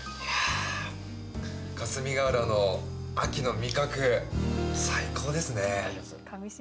霞ヶ浦の秋の味覚最高ですね。